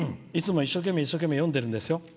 でも、いつも一生懸命、一生懸命読んでるんですよ。